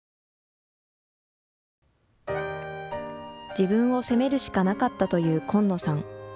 自分を責めるしかなかったという金野さん。